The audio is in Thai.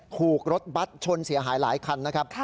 ถูกรถบัตรชนเสียหายหลายคันนะครับ